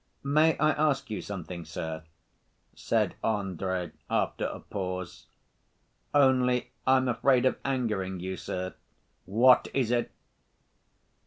"May I ask you something, sir?" said Andrey, after a pause. "Only I'm afraid of angering you, sir." "What is it?"